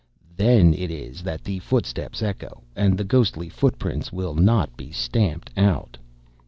Then it is that the footsteps echo, and the ghostly footprints will not be stamped out.